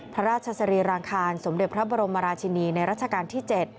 พระราชสรีรางคารสมเด็จพระบรมราชินีในรัชกาลที่๗